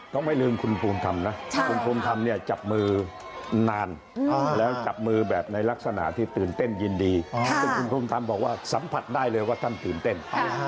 ไม่ลืมคุณภูมิธรรมนะคุณภูมิธรรมเนี่ยจับมือนานแล้วจับมือแบบในลักษณะที่ตื่นเต้นยินดีซึ่งคุณภูมิธรรมบอกว่าสัมผัสได้เลยว่าท่านตื่นเต้น